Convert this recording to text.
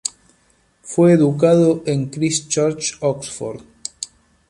Fue educado en Christ Church, Oxford.